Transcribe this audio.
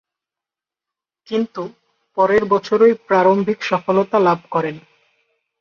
কিন্তু, পরের বছরই প্রারম্ভিক সফলতা লাভ করেন।